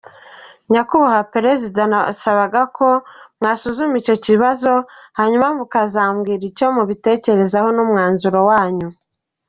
Nyakubahwa Perezida, nabasaba ko mwasuzuma icyo kibazo, hanyuma mukazambwira icyo mubitekerezaho n’umwanzuro wanyu.